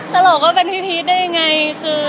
ตลกค่ะตลกว่าเป็นพี่พีชได้ยังไง